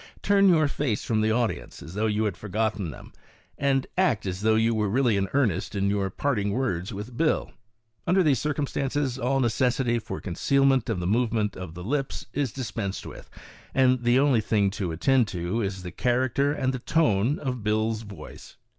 Turn your face from the audience, as though you had forgotten them, and act as though you were really in earnest in your part ing words with Bill. Under these circumstances, ali necessity for concealment of the movement of the lips is dispensed with, and the only thing to attend to is the character and tone of Bill's voice.